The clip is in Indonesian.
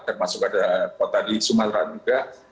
termasuk ada kota di sumatera juga